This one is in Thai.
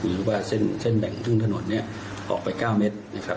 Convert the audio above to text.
หรือว่าเส้นแบ่งครึ่งถนนเนี่ยออกไป๙เมตรนะครับ